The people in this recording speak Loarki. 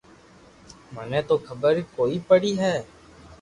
مني تو خبر ڪوئي پڙي ھي